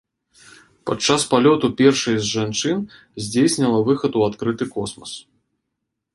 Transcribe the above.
Падчас палёту першай з жанчын здзейсніла выхад у адкрыты космас.